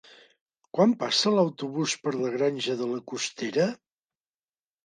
Quan passa l'autobús per la Granja de la Costera?